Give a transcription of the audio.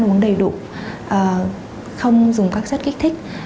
uống đầy đủ không dùng các chất kích thích